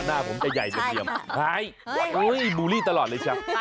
หน้าผมจะใหญ่เหลี่ยมหายบูลลี่ตลอดเลยครับ